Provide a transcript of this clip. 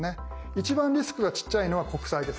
一番リスクがちっちゃいのは国債ですね。